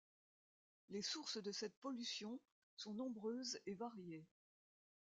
Les sources de cette pollution sont nombreuses et variées.